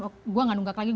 oh saya tidak nunggak lagi